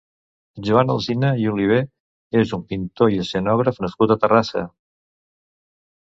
Joan Alsina i Oliver és un pintor i escenògraf nascut a Terrassa.